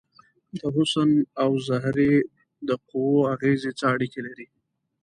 د حسن او زهرې د قوو اغیزې څه اړیکې لري؟